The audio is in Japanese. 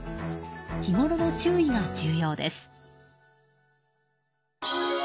日ごろの注意が重要です。